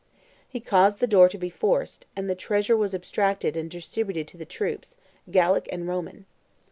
He caused the door to be forced, and the treasure was abstracted and distributed to the troops, Gallic and Roman.